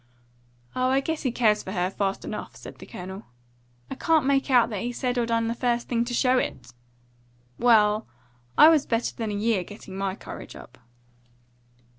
"Oh, I guess he cares for her, fast enough," said the Colonel. "I can't make out that he's said or done the first thing to show it." "Well, I was better than a year getting my courage up."